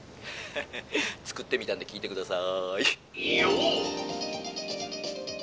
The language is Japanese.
「作ってみたんで聴いて下さい」。